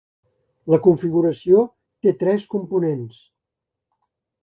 La configuració té tres components.